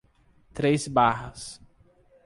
Três Barras